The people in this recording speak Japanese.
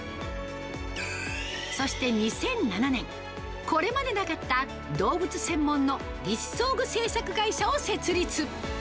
そして２００７年、これまでなかった動物専門の義肢装具製作会社を設立。